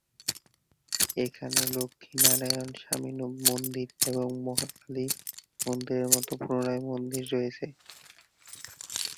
এখানে লক্ষ্মীনারায়ণ স্বামী মন্দির এবং মহাকালী মন্দিরের মতো পুরনো মন্দির রয়েছে।